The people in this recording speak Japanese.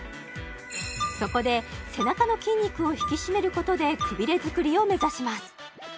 そこで背中の筋肉を引き締めることでくびれ作りを目指します